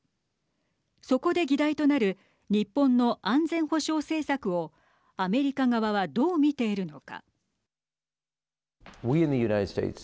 そこで議題となる日本の安全保障政策をアメリカ側はどう見ているのか。